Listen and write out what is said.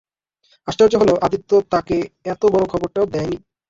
আশ্চর্য হল, আদিত্য তাকে এতবড়ো খবরটাও দেয় নি।